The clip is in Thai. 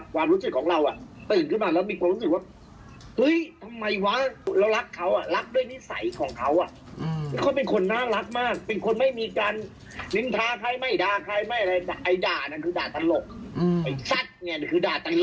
ความเหนียงเขาเนี่ยมันตลกไง